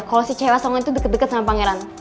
kalau si cewek asongan itu deket deket sama pangeran